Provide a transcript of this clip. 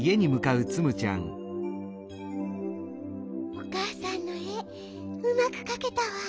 おかあさんのえうまくかけたわ。